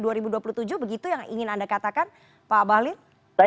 di dua ribu dua puluh tujuh begitu yang ingin anda katakan pak abahlin